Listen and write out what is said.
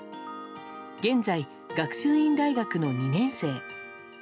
現在、学習院大学の２年生。